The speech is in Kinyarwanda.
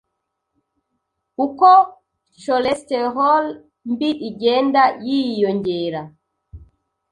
Uko cholesterol mbi igenda yiyongera